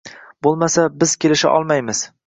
Bo`lmasa biz kelisha olmaymiz